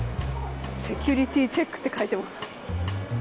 セキュリティチェックって書いてあります。